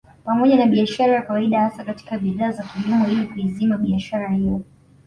Pamoja na biashara ya kawaida hasa katika bidhaa za kilimo ili kuizima biashara hiyo